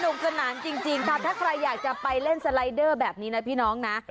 สนานจริงค่ะถ้าใครอยากจะไปเล่นสไลเดอร์แบบนี้นะพี่น้องนะ